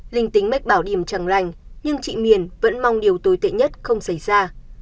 linh tính mách bảo điểm chẳng lành nhưng chị miền vẫn mong điều tồi tệ nhất không xảy ra